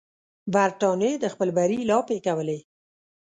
برټانیې د خپل بری لاپې کولې.